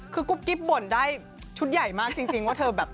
คือกุ๊บกิ๊บบ่นได้ชุดใหญ่มากจริงจริงว่า